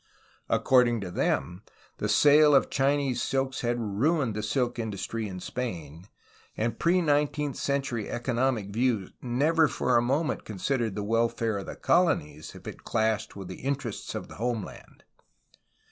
According to them the sale of Chinese silks had ruined the silk industry in Spain, and pre nineteenth century economic views never for a moment considered the welfare of colonies if it clashed with the interests of the homeland.